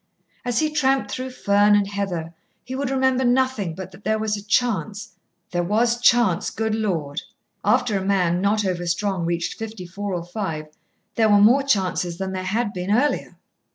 As he tramped through fern and heather he would remember nothing but that there was a chance there was chance, good Lord! After a man not over strong reached fifty four or five, there were more chances than there had been earlier.